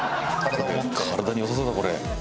体に良さそうだこれ。